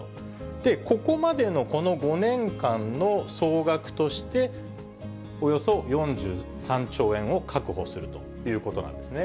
で、ここまでのこの５年間の総額として、およそ４３兆円を確保するということなんですね。